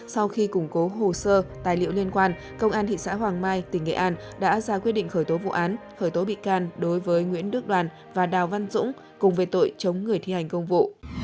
sau khi củng cố hồ sơ tài liệu liên quan công an thị xã hoàng mai tỉnh nghệ an đã ra quyết định khởi tố vụ án khởi tố bị can đối với nguyễn đức đoàn và đào văn dũng cùng về tội chống người thi hành công vụ